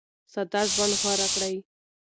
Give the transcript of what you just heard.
ساده ژوند غوره کړئ.